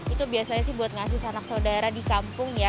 itu biasanya sih buat ngasih anak saudara di kampung ya